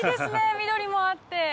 緑もあって。